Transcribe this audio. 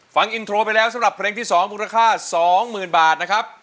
ฟังอินโทรไปแล้วสำหรับเพลงที่๒มูลค่า๒๐๐๐บาทนะครับ